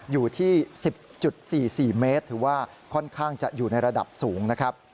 อยู่ที่๑๐๔๔เมตรถือว่าค่อนข้างจะอยู่ในระดับสูงนะครับ